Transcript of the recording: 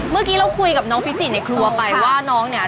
เมื่อกี้เราคุยกับน้องฟิจิในครัวไปว่าน้องเนี่ย